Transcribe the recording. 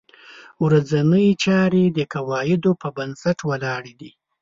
ورځنۍ چارې د قواعدو په بنسټ ولاړې دي.